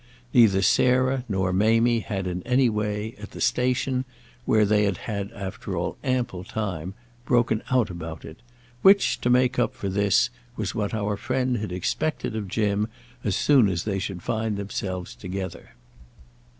Neither Sarah nor Mamie had in any way, at the station—where they had had after all ample time—broken out about it; which, to make up for this, was what our friend had expected of Jim as soon as they should find themselves together.